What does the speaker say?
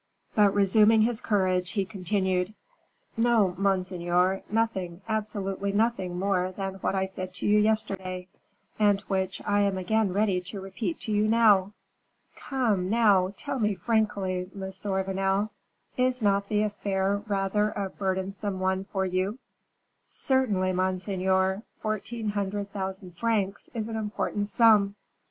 But resuming his courage, he continued, "No, monseigneur, nothing, absolutely nothing more than what I said to you yesterday, and which I am again ready to repeat to you now." "Come, now, tell me frankly, Monsieur Vanel, is not the affair rather a burdensome one for you?" "Certainly, monseigneur; fourteen hundred thousand francs is an important sum."